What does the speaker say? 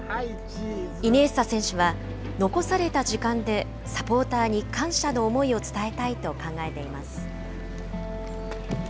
イニエスタ選手は、残された時間でサポーターに感謝の思いを伝えたいと考えています。